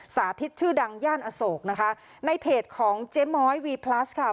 สาธิตชื่อดังย่านอโศกนะคะในเพจของเจ๊ม้อยวีพลัสค่ะ